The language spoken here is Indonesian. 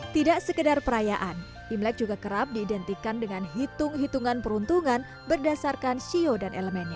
tidak sekedar perayaan imlek juga kerap diidentikan dengan hitung hitungan peruntungan berdasarkan sio dan elemennya